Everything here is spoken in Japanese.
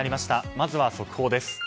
まずは速報です。